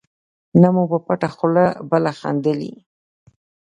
نه مو په پټه خوله بله خندلي.